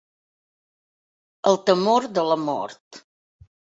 El temor de la mort.